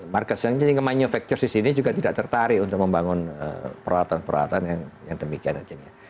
market yang jadi ke manufaktur di sini juga tidak tertarik untuk membangun peralatan peralatan yang demikian aja